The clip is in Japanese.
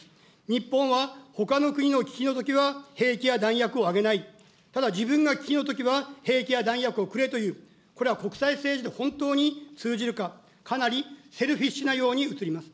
日本はほかの国の危機のときは兵器や弾薬をあげない、ただ自分が危機のときは兵器や弾薬をくれという、これは国際政治で本当に通じるか、かなりセルフィッシュなように映ります。